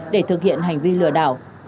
để thực hiện hành vi lừa đảo